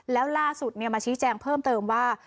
แล้วล่าสุดมาชี้แจงเพิ่มเติมว่า